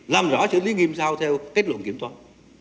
làm rõ xử lý nghiêm sao theo kết luận kiểm toán